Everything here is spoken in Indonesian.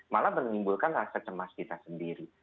malah menimbulkan rasa cemas kita sendiri